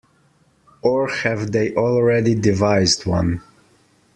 Or have they already devised one.